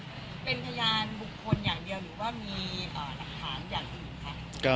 เป็นพยานบุคคลอย่างเดียวหรือว่ามีหลักฐานอย่างอื่นคะ